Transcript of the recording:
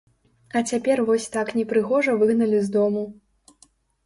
А цяпер вось так непрыгожа выгналі з дому.